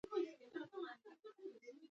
ماش شین رنګ لري.